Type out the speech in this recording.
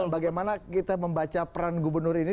bagaimana kita membaca peran gubernur ini